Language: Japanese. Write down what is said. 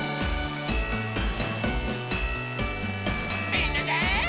みんなで。